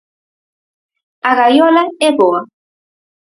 A gaiola é boa;